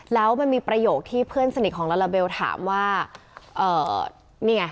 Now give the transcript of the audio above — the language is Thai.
แล้วมันมีประโยคที่เพื่อนสนิทของลาลาเบลถามว่าเอ่อนี่ไง